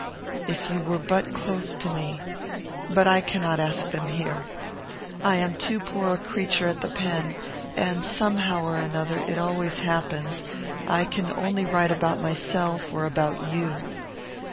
If you were but close to me; but I cannot ask them here. I am too poor a creature at the pen, and, somehow or another, it always happens, I can only write about myself or about you.